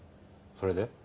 それで？